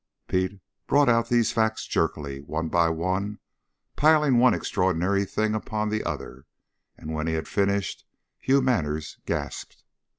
Pete brought out these facts jerkily, one by one, piling one extraordinary thing upon the other; and when he had finished, Hugh Manners gasped.